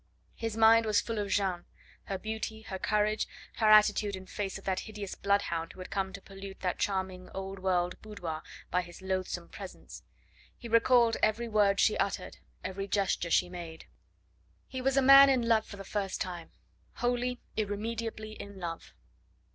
His mind was full of Jeanne, her beauty, her courage, her attitude in face of the hideous bloodhound who had come to pollute that charming old world boudoir by his loathsome presence. He recalled every word she uttered, every gesture she made. He was a man in love for the first time wholly, irremediably in love.